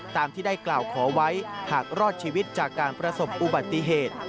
ตามที่ได้กล่าวขอไว้หากรอดชีวิตจากการประสบอุบัติเหตุ